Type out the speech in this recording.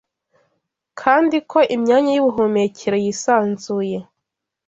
kandi ko imyanya y’ubuhumekero yisanzuye